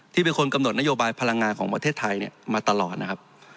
ที่เป็นคนกำหนดนโยบายพลังงานของประเทศไทยมาตลอดนะครับ